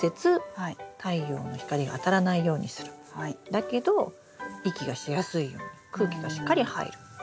だけど息がしやすいように空気がしっかり入るということ。